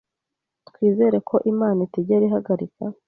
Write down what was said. Twizere ko Imana itigera ihagarika